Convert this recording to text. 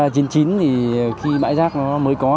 thì khi bãi rác mới có